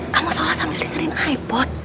kamu sorot sambil dengerin ipod